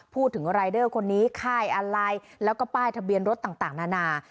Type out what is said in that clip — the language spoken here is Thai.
รายเดอร์คนนี้ค่ายอะไรแล้วก็ป้ายทะเบียนรถต่างนานา